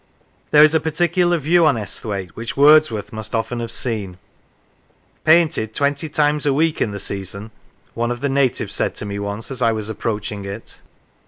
There is a particular view on Esthwaite which Words worth must often have seen, " Painted twenty times a week in the season," one of the natives said to me once as I was approaching it.